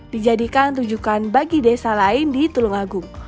dijadikan tujukan bagi desa lain di tulungagung